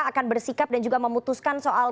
akan bersikap dan juga memutuskan soal